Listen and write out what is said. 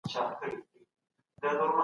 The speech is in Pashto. علماوو ته په ټولنه کي کوم مقام ورکړل سوی و؟